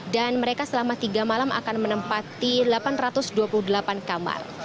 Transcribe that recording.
mereka selama tiga malam akan menempati delapan ratus dua puluh delapan kamar